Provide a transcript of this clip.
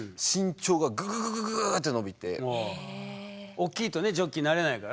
おっきいとねジョッキーになれないから。